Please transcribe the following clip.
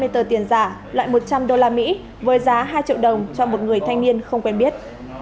hai mươi tờ tiền giả loại một trăm linh usd với giá hai triệu đồng cho một người thanh niên không quen biết